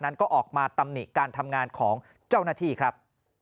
นั้นก็ออกมาตำหนิการทำงานของเจ้าหน้าที่ครับ